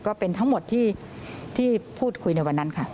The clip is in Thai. ก็เป็นทั้งหมดที่พูดคุยในวันนั้นค่ะ